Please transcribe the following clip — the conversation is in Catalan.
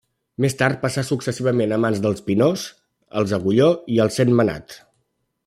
Més tard passà successivament a mans del Pinós, els Agulló i els Sentmenat.